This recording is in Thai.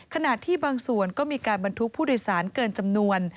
ขณะที่บางส่วนก็มีการบรรทุกผู้โดยสารเกินจำนวน